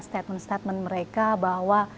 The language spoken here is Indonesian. statement statement mereka bahwa